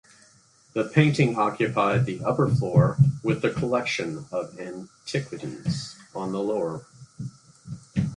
The paintings occupied the upper floor with the collection of antiquities on the lower.